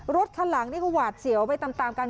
รถคันหลังนี่ก็หวาดเสียวไปตามกัน